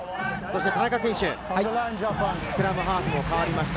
田中選手、スクラムハーフも代わりました。